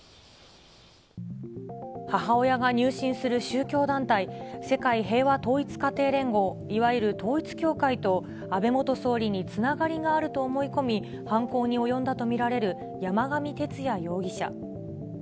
母親が入信する宗教団体、世界平和統一家庭連合、いわゆる統一教会と、安倍元総理につながりがあると思い込み、犯行に及んだと見られる山上徹也容疑者。